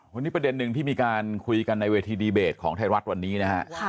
วันนี้ประเด็นหนึ่งที่มีการคุยกันในเวทีดีเบตของไทยรัฐวันนี้นะฮะ